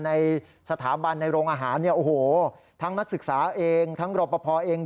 ในสถาบรรดิ์ในโรงยานทั้งนักศึกษาเองทั้งกรบประพอเอง